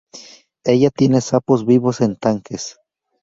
Ella tiene sapos vivos en tanques".